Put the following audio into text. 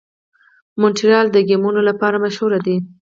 مونټریال د ګیمونو لپاره مشهور دی.